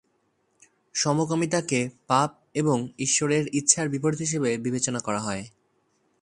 সমকামিতাকে পাপ এবং "ঈশ্বরের ইচ্ছার বিপরীত" হিসেবে বিবেচনা করা হয়।